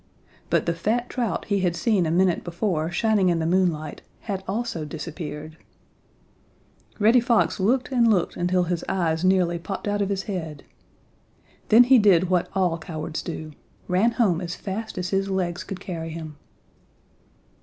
But the fat trout he had seen a minute before shining in the moonlight had also disappeared. Reddy Fox looked and looked until his eyes nearly popped out of his head. Then he did what all cowards do ran home as fast as his legs could carry him.